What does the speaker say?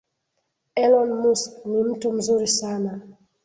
Elon Musk ni mtu mzuri sana